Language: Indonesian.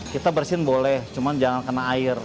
kita bersihin boleh cuman jangan kena air